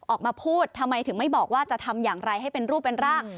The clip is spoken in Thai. ออกมาพูดทำไมถึงไม่บอกว่าจะทำอย่างไรให้เป็นรูปเป็นร่าง